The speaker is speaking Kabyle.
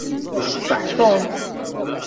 Iceṭṭeḥ Tom.